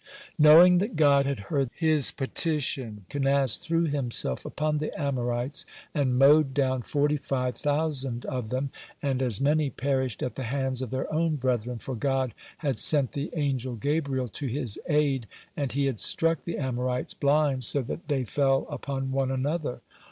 Knowing that God had heard his petition, Kenaz threw himself upon the Amorites, and mowed down forty five thousand of them, and as many perished at the hands of their own brethren, for God had sent the angel Gabriel (17) to his aid, and he had struck the Amorites blind, so that they fell upon one another.